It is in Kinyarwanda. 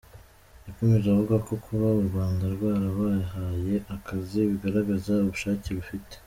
Yakomeje avuga ko kuba u Rwanda rwarabahaye akazi bigaragaza ubushake rufite.